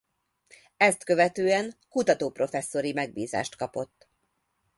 Ezt követően kutatóprofesszori megbízást kapott.